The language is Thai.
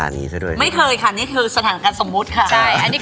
อันนี้ที่สมมุติ